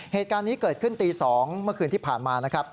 เหตุการณ์นี้เกิดขึ้นตี๒เมื่อคืนที่ผ่านมานะครับ